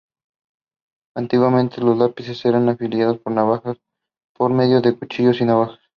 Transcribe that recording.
Antiguamente los lápices eran afilados por medio de cuchillos o navajas.